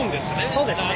そうですね。